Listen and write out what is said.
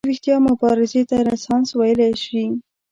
د ویښتیا مبارزې ته رنسانس ویلی شي.